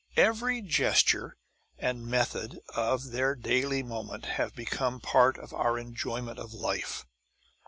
Every gesture and method of their daily movement have become part of our enjoyment of life.